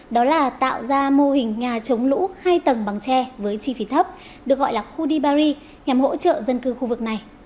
đó là tạo ra mô hình nhà chống lũ hai tầng bằng tre với chi phí thấp được gọi là khu dibary nhằm hỗ trợ dân cư khu vực này